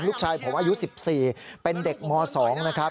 ลูกชายผมอายุ๑๔เป็นเด็กม๒นะครับ